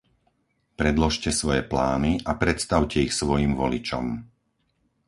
Predložte svoje plány a predstavte ich svojim voličom.